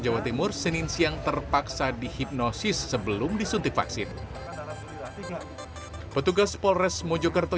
jawa timur senin siang terpaksa dihipnosis sebelum disuntik vaksin petugas polres mojokerto